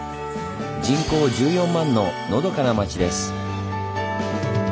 人口１４万ののどかな町です。